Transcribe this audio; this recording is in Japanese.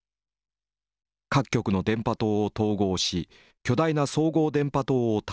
「各局の電波塔を統合し巨大な総合電波塔を建てよう。